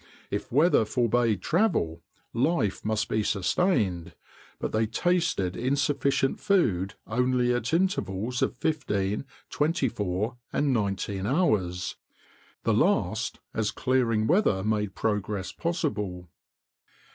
If weather forbade travel, life must be sustained; but they tasted insufficient food only at intervals of fifteen, twenty four, and nineteen hours—the last as clearing weather made progress possible.